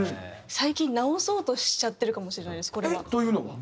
最近直そうとしちゃってるかもしれないですこれは。というのは？